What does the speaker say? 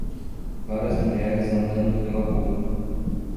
Várias mulheres andando pela rua.